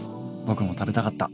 僕も食べたかった。